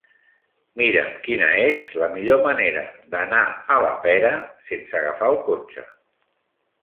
Mira'm quina és la millor manera d'anar a la Pera sense agafar el cotxe.